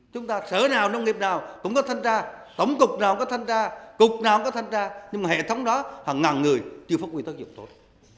chúng ta sở nào nông nghiệp nào cũng có thanh tra tổng cục nào có thanh tra cục nào cũng có thanh tra nhưng mà hệ thống đó hàng ngàn người chưa phát huy tác dụng tốt